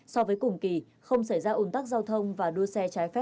so với cùng kỳ không xảy ra ồn tắc giao thông và đua xe trái phép